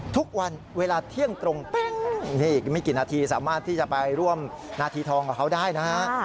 ทุกวันเวลาเที่ยงตรงเป๊ะนี่อีกไม่กี่นาทีสามารถที่จะไปร่วมนาทีทองกับเขาได้นะฮะ